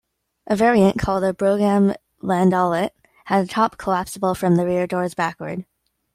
A variant, called a brougham-landaulet, had a top collapsible from the rear doors backward.